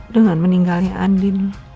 dengan meninggalnya andin